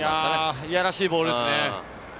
いやらしいボールですね。